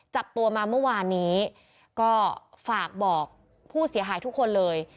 จับตัวมาเมื่อวานนี้ก็ฝากบอกผู้เสียหายทุกคนเลย